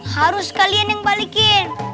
harus kalian yang balikin